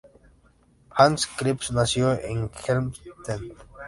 Hans Krebs nació en Helmstedt.